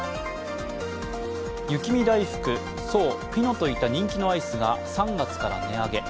雪見だいふく、爽、ピノといった人気のアイスが３月から値上げ。